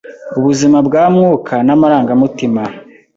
ubuzima bwa mwuka n’amarangamutima!